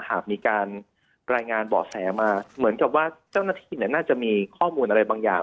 หากมีการรายงานเบาะแสมาเหมือนกับว่าเจ้าหน้าที่น่าจะมีข้อมูลอะไรบางอย่าง